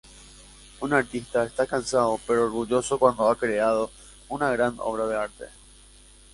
Un artista está cansado pero orgulloso cuando ha creado una gran obra de arte.